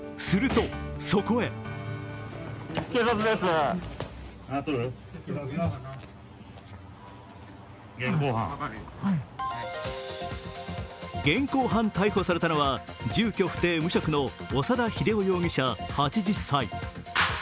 すると、そこへ現行犯逮捕されたのは、住所不定・無職の長田英男容疑者８０歳。